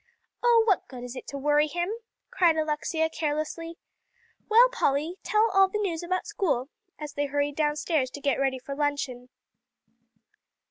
"Oh, what good is it to worry him?" cried Alexia carelessly. "Well, Polly, tell all the news about school," as they hurried downstairs to get ready for luncheon.